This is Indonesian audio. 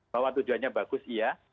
bahwa tujuannya bagus iya